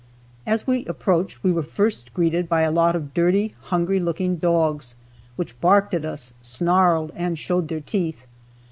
As we approached we were first greeted by a lot of dirty, hungry looking dogs, which barked at us, snarled and showed their teeth.